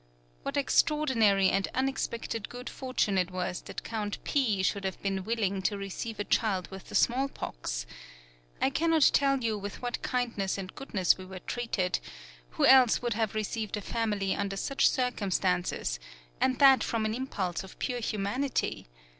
"What extraordinary and unexpected good fortune it was that Count P. should have been willing to receive a child with the small pox! I cannot tell you with what kindness and goodness we were treated; who else would have received a family under such circumstances, and that from an impulse of pure humanity?